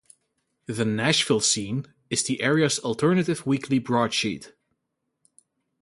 The "Nashville Scene" is the area's alternative weekly broadsheet.